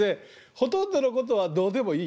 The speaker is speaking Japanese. ほとんどのことはどうでもいい？